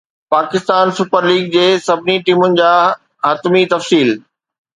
Pakistan super league جي سڀني ٽيمن جا حتمي تفصيل